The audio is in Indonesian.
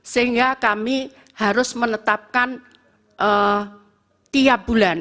sehingga kami harus menetapkan tiap bulan